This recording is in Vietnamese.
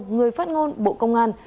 người phát ngôn bộ công an